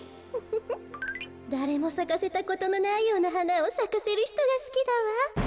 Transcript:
ウフフだれもさかせたことのないようなはなをさかせるひとがすきだわ。